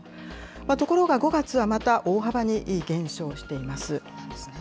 ところが５月は、また大幅に減少しています。